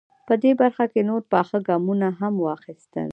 په دې برخه کې نور پاخه ګامونه هم واخیستل.